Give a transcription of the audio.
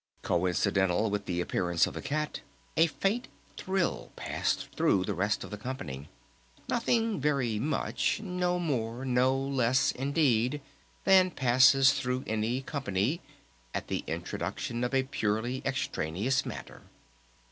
Coincidental with the appearance of the Cat a faint thrill passed through the rest of the company.... Nothing very much! No more, no less indeed, than passes through any company at the introduction of purely extraneous matter.